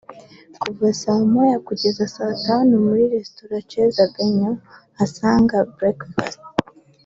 kuva saa moya kugera saa tanu muri Resitora Chez Bennyuhasanga breackfast